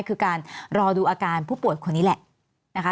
คือการรอดูอาการผู้ป่วยคนนี้แหละนะคะ